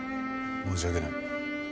申し訳ない。